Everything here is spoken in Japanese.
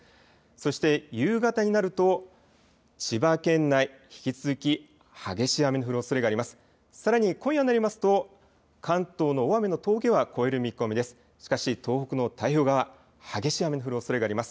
そして夕方になると千葉県内、引き続き激しい雨の降るおそれがあります。